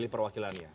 pilih perwakilan ya